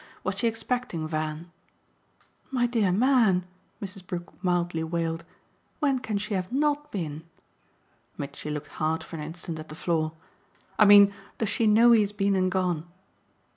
Was she expecting Van ?" "My dear man," Mrs. Brook mildly wailed, "when can she have NOT been?" Mitchy looked hard for an instant at the floor. "I mean does she know he has been and gone?"